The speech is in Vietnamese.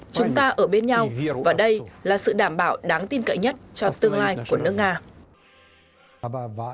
chúng ta ở bên nhau và đây là sự đảm bảo đáng tin cậy nhất cho tương lai của nước nga